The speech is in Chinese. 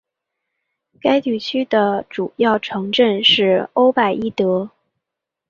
该地区的主要城镇是欧拜伊德。